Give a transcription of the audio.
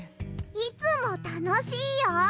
いつもたのしいよ！